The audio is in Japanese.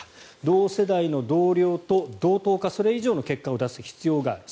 同世代の同僚と同等かそれ以上の結果を出す必要がある。